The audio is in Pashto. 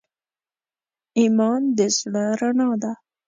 ایمان د زړه رڼا ده.